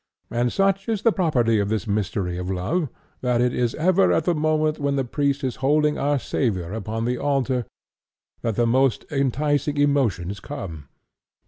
And such is the property of this mystery of love that it is ever at the moment when the priest is holding our Saviour upon the altar that the most enticing emotions come."